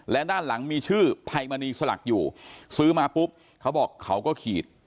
และด้านหลังมีชื่อภัยมณีสลักอยู่ซื้อมาปุ๊บเขาบอกเขาก็ขีด